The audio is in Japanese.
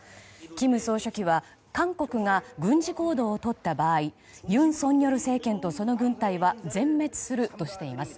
金総書記は、韓国が軍事行動をとった場合尹錫悦政権とその軍隊は全滅するとしています。